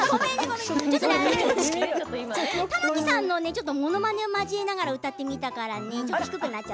玉置さんのものまねも交えながら歌ってみたからね。